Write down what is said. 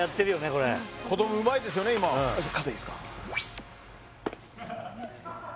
これ子供うまいですよね今肩いいすか？